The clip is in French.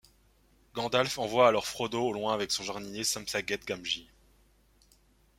Gandalf envoie alors Frodo au loin avec son jardinier Samsaget Gamgie.